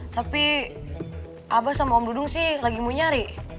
tapi abah sama om dudung sih lagi mau nyari